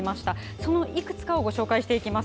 そのいくつかをご紹介します。